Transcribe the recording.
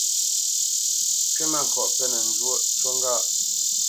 Kywítmâŋkɔʼ penə́ njwōʼ, ncú ŋgâʼ.